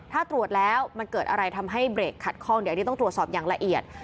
ถ้าตรวจแล้วมันเกิดอะไรทำให้เบรกขัดคล่องตรวจสอบอย่างละเอียด